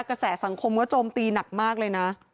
กระแสสังคมก็โจมตีหนักมากเลยนะ